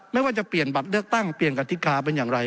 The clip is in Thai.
ไม่ว่าจะเปลี่ยนบัตรเลือกตั้งเปลี่ยนกฎิกาเป็นอย่างไร